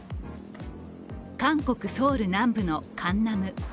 韓国・ソウル南部のカンナム。